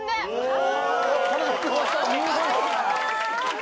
お！